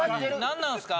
何なんすか？